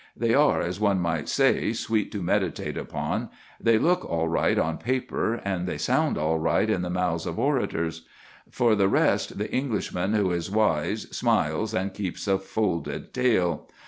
They are, as one might say, sweet to meditate upon; they look all right on paper, and they sound all right in the mouths of orators. For the rest the Englishman who is wise smiles and keeps a folded tale.